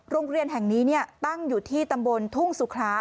โรงเรียนแห่งนี้ตั้งอยู่ที่ตำบลทุ่งสุขระ